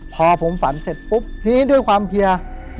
พอผมฝันเสร็จปุ๊บทีนี้ด้วยความเพียร์